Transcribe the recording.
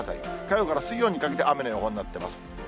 火曜から水曜にかけて雨の予報になっています。